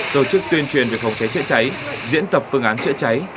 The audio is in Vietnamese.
tổ chức tuyên truyền về phòng cháy chữa cháy diễn tập phương án chữa cháy